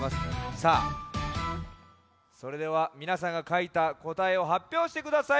さあそれではみなさんがかいたこたえをはっぴょうしてください。